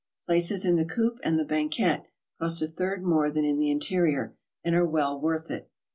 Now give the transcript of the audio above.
Places in the coupe and the banquette cost a third more than in the interieur, and are well worth it.